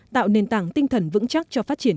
tạo nền tảng tinh thần vững chắc cho phát triển